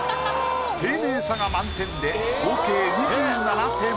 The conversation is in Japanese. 丁寧さが満点で合計２７点。